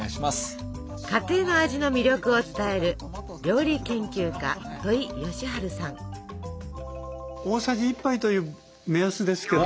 家庭の味の魅力を伝える料理研究家大さじ１杯という目安ですけど。